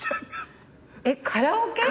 えっカラオケ！？